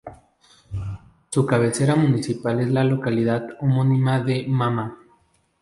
Su cabecera municipal es la localidad homónima de Mama.